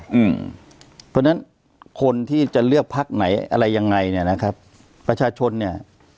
เพราะฉะนั้นคนที่จะเลือกพักไหนอะไรยังไงเนี่ยนะครับประชาชนเนี่ย